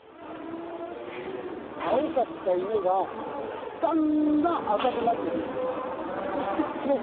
青かった稲が、だんだん赤くなっていくんですわ。